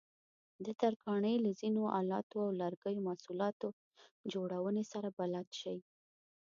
د ترکاڼۍ له ځینو آلاتو او د لرګیو محصولاتو جوړونې سره بلد شئ.